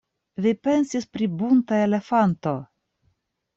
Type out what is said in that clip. Vi pensis pri bunta elefanto!